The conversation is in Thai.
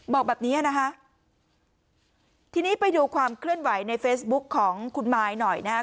บอกแบบเนี้ยนะคะทีนี้ไปดูความเคลื่อนไหวในเฟซบุ๊คของคุณมายหน่อยนะฮะ